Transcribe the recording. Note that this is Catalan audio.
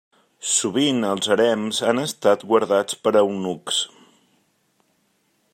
Sovint els harems han estat guardats per eunucs.